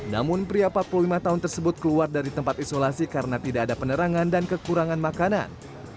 namun pria empat puluh lima tahun tersebut keluar dari tempat isolasi karena tidak ada penerangan dan kekurangan makanan